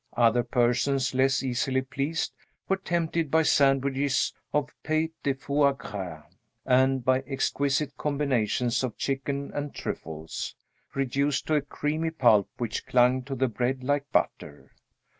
Other persons, less easily pleased, were tempted by sandwiches of pate de fois gras and by exquisite combinations of chicken and truffles, reduced to a creamy pulp which clung to the bread like butter.